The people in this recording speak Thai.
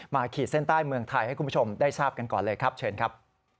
ขีดเส้นใต้เมืองไทยให้คุณผู้ชมได้ทราบกันก่อนเลยครับเชิญครับ